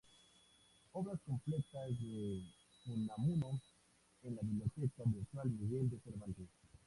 Obras completas de Unamuno en la Biblioteca Virtual Miguel de Cervantes.